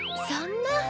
そんな。